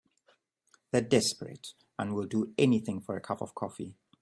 They're desperate and will do anything for a cup of coffee.